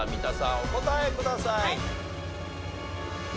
お答えください。